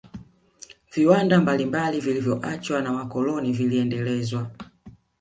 viwanda mbalimbali vilivyoachwa na wakoloni vilendelezwa